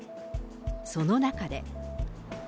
その中で。